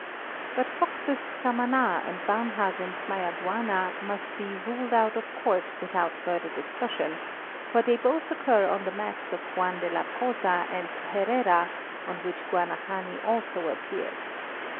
But Fox's Samand and Varnhagen's Maya guana must be ''ruled out of court" without further discussion, for they both occur on the maps of Juan de la Cosa and Herrera, on which Gua nahani also appears.